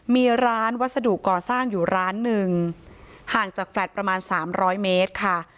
มีร้านวัสดุก่อสร้างอยู่ร้านหนึ่งห่างจากแฟลต์ประมาณ๓๐๐เมตรค่ะ